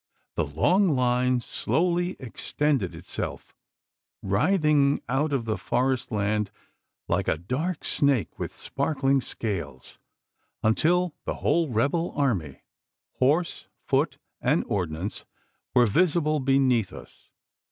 The long line slowly extended itself, writhing out of the forest land like a dark snake with sparkling scales, until the whole rebel army horse, foot, and ordnance were visible beneath us.